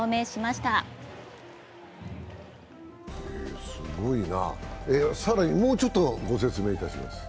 すごいな、更にもうちょっとご説明いたします。